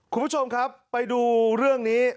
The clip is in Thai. คุณผู้ชมครับไปดูเรื่องนี้